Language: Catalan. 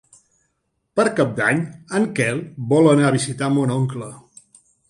Per Cap d'Any en Quel vol anar a visitar mon oncle.